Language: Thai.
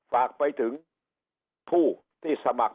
ฝากไปถึงผู้ที่สมัคร